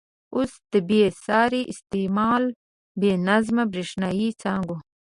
اوس د بې ساري استعمال، بې نظمه برېښنايي څاګانو.